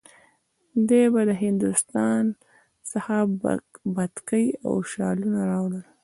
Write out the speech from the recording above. دی به د هندوستان څخه بتکۍ او شالونه راوړي.